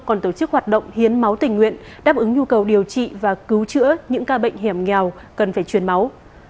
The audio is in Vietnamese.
còn tổ chức hoạt động hiến máu tình nguyện đáp ứng nhu cầu điều trị và cứu chữa những ca bệnh hiểm nghèo cần phải truyền máu